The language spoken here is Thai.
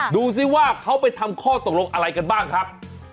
ดูสิว่าเขาไปทำข้อตกลงอะไรกันบ้างครับ